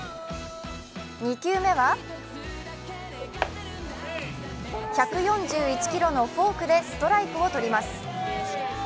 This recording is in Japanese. ２球目は１４１キロのフォークでストライクを取ります。